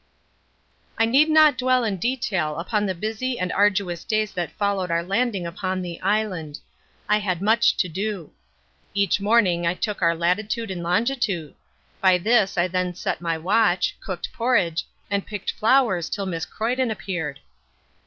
I need not dwell in detail upon the busy and arduous days that followed our landing upon the island. I had much to do. Each morning I took our latitude and longitude. By this I then set my watch, cooked porridge, and picked flowers till Miss Croyden appeared.